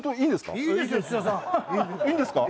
いいんですか？